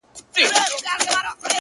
نه یې پل معلومېدی او نه یې نښه.!